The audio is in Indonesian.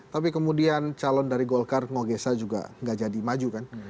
tapi kemudian calon dari golkar ngo gesa juga tidak jadi maju kan